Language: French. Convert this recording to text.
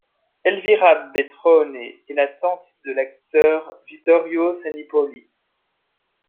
Elvira Betrone est la tante de l'acteur Vittorio Sanipoli.